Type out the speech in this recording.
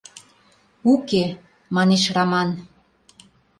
— Уке, — манеш Раман.